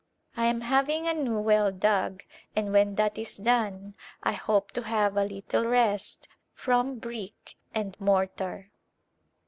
I am having a new well dug and when that is done I hope to have a little rest from brick and mortar.